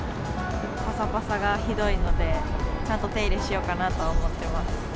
ぱさぱさがひどいので、ちゃんと手入れしようかなと思っています。